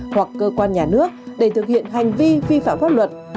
hoặc cơ quan nhà nước để thực hiện hành vi vi phạm pháp luật